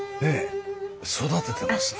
育ててますね。